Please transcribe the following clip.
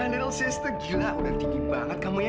my little sister gila udah tinggi banget kamu ya